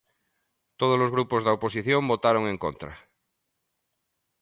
Todos os grupos da oposición votaron en contra.